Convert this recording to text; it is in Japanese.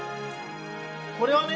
これはね